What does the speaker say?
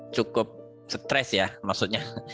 cukup stres ya maksudnya